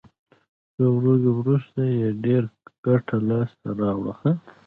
د څو ورځو وروسته یې ډېره ګټه لاس ته راوړه.